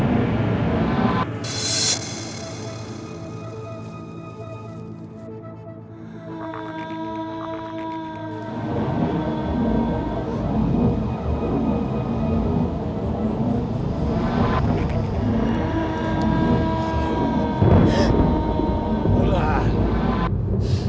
datanglah padaku wulan